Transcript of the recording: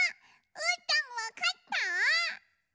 うーたんわかった？